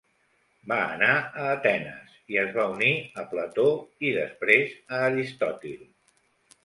Va anar a Atenes i es va unir a Plató i, després, a Aristòtil.